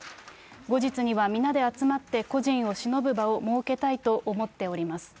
後日には、皆で集まって故人をしのぶ場を設けたいと思っております。